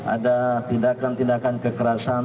ada tindakan tindakan kekerasan